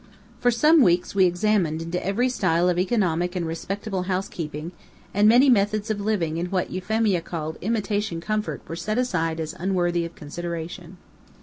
For some weeks we examined into every style of economic and respectable housekeeping, and many methods of living in what Euphemia called "imitation comfort" were set aside as unworthy of consideration.